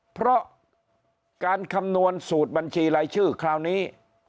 เพราะการคำนวณสูตรบัญชีรายชื่อคราวนี้